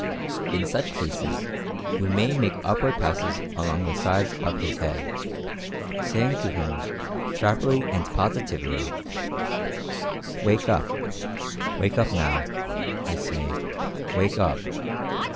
In such case you may make upward passes along the sides of his head, saying to him sharply and positively, "WAKE UP — wake up now, I say— WAKE UP